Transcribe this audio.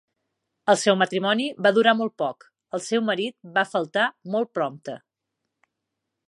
El seu matrimoni va durar molt poc, el seu marit va faltar molt prompte.